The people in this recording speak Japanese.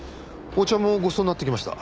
お茶もごちそうになってきました。